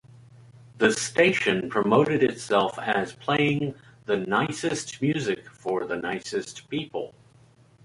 The station promoted itself as playing The Nicest Music for the Nicest People.